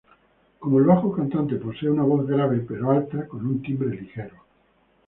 Como el bajo cantante posee una voz grave, pero alta, con un timbre ligero.